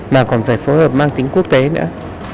mà còn phải phối hợp mang tính quốc tế nữa